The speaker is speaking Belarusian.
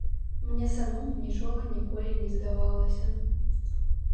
Мне самому нічога ніколі не здавалася.